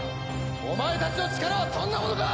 お前たちの力はそんなものか！